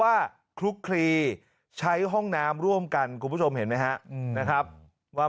คลุกคลีใช้ห้องน้ำร่วมกันคุณผู้ชมเห็นไหมฮะนะครับว่า